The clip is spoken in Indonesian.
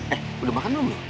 eh udah makan belum lo